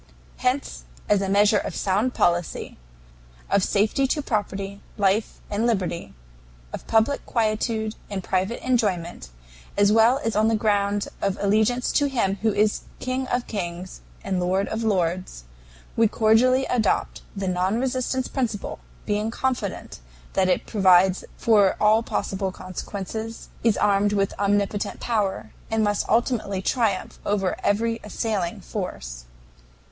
"Hence as a measure of sound policy of safety to property, life, and liberty of public quietude and private enjoyment as well as on the ground of allegiance to Him who is King of kings and Lord of lords, we cordially adopt the non resistance principle, being confident that it provides for all possible consequences, is armed with omnipotent power, and must ultimately triumph over every assailing force.